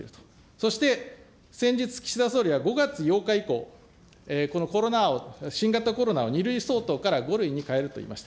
そして先日、岸田総理は５月８日以降、このコロナを、新型コロナを２類相当から５類に変えるといいました。